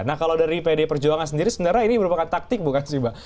nah kalau dari pd perjuangan sendiri sebenarnya ini merupakan taktik bukan sih mbak